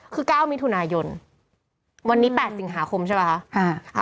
คือก้าวมีถุนายนวันนี้แปดสิงหาคมใช่ปะอ่า